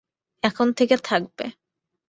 এখন থেকে থাকবে।